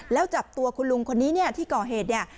แล้วจับตัวคุณลุงคนนี้ที่ก่อเหตุ